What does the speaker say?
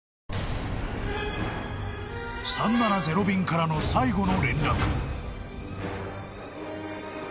［３７０便からの最後の連絡］